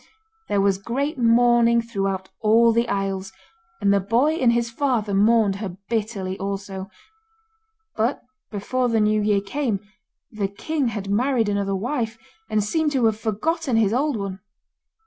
There was great mourning throughout all the isles, and the boy and his father mourned her bitterly also; but before the new year came the king had married another wife, and seemed to have forgotten his old one.